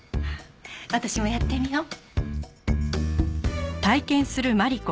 私もやってみよう。